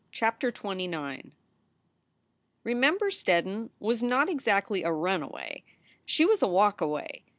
CHAPTER XXIX D EMEMBER STEDDON was not exactly a runaway. 1\ She was a walkaway.